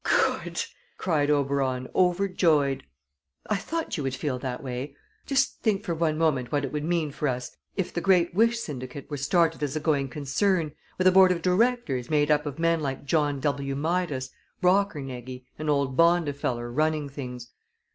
"Good!" cried Oberon, overjoyed. "I thought you would feel that way. Just think for one moment what it would mean for us if the Great Wish Syndicate were started as a going concern, with a board of directors made up of men like John W. Midas, Rockernegie, and old Bondifeller running things.